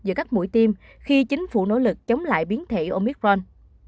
giữa các mũi tiêm khi chính phủ nỗ lực chống lại biến thể omicron